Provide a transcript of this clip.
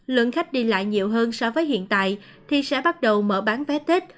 lượng khách đi lại nhiều hơn so với hiện tại thì sẽ bắt đầu mở bán vé tết